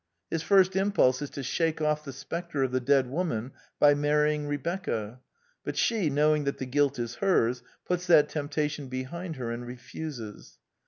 His first impulse is to shake o£F the spectre of the dead woman by marrying Rebecca ; but she, know ing that the guilt is hers, puts that temptation be hind her and refuses.